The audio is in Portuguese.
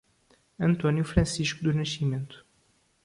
Antônio Francisco do Nascimento